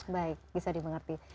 baik bisa dimengerti